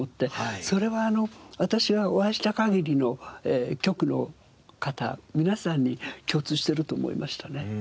それは私がお会いした限りの局の方皆さんに共通してると思いましたね。